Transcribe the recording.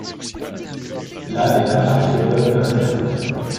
Lal, est un archéologue indien.